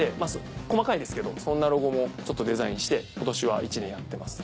細かいですけどそんなロゴもデザインして今年は１年やってます。